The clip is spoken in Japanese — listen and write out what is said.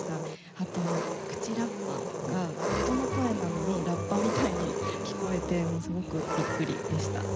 あと口ラッパが人の声なのにラッパみたいに聴こえてすごくビックリでした。